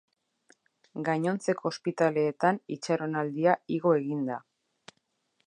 Gainontzeko ospitaleetan itxaronaldia igo egin da.